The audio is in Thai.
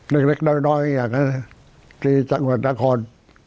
เล็กน้อยอยากให้ที่จังหวัดนคร